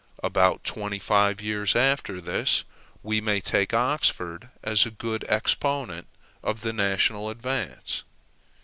About twenty five years after this, we may take Oxford as a good exponent of the national advance.